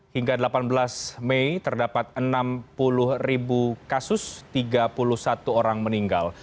hingga delapan belas mei terdapat enam puluh ribu kasus tiga puluh satu orang meninggal